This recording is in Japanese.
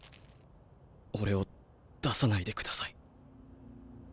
俺を出さないでください。